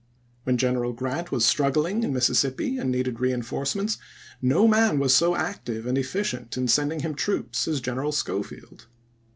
When General Grant was struggling in Mississippi and needed reenforcements, no man was so active and efficient in sending him troops as General Schofield.